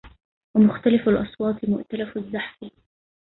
ومختلف الأصوات مؤتلف الزحف